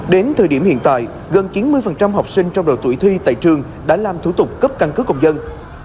đến thời điểm hiện tại gần chín mươi học sinh trong độ tuổi thuê tại trường đã làm thủ tục cấp căn cứ công dân